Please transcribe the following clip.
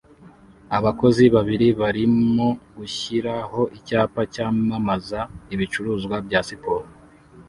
Abakozi babiri barimo gushiraho icyapa cyamamaza ibicuruzwa bya siporo